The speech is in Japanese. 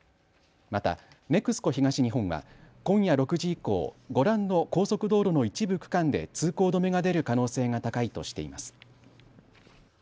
またＮＥＸＣＯ東日本は今夜６時以降、ご覧の高速道路の一部区間で通行止めが出る可能性が高いとしています。